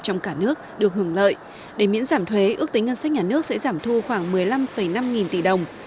trong cả nước được hưởng lợi để miễn giảm thuế ước tính ngân sách nhà nước sẽ giảm thu khoảng một mươi năm năm nghìn tỷ đồng